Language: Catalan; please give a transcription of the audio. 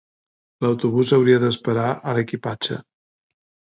L'autobús hauria d'esperar a l'equipatge.